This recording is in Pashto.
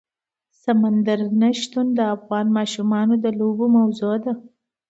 سمندر نه شتون د افغان ماشومانو د لوبو موضوع ده.